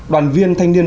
đoàn viên thanh niên